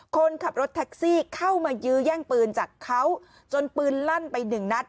คนขับรถแท็กซี่เข้ามายื้อแย่งปืนจากเขาจนปืนลั่นไปหนึ่งนัด